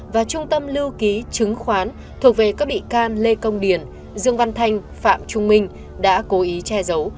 và trung tâm lưu ký chứng khoán thuộc về các bị can lê công điền dương văn thanh phạm trung minh đã cố ý che giấu